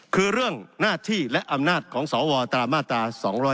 คือเรื่องหน้าที่และอำนาจของสวตามมาตรา๒๗